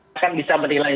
akan bisa menilai